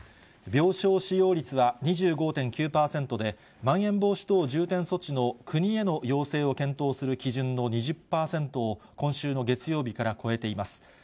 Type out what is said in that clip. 病床使用率は２５．９％で、まん延防止等重点措置の国への要請を検討する基準の２０％を、今週の月曜日から超えています。